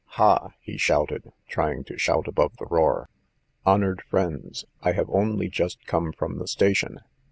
"Ha!" he shouted, trying to shout above the roar. "Honoured friends! I have only just come from the station!